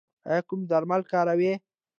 ایا کوم درمل کاروئ؟